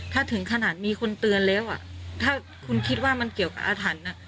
ถ้าถึงขนาดมีคนเตือนแล้วอ่ะถ้าคุณคิดว่ามันเกี่ยวกับอาถรรพ์